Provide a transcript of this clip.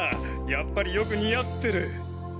やっぱりよく似合ってる！